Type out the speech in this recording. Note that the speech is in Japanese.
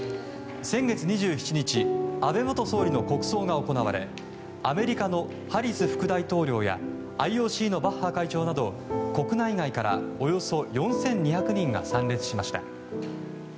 先月２７日安倍元総理の国葬が行われアメリカのハリス副大統領やＩＯＣのバッハ会長など国内外からおよそ４２００人が参列しました。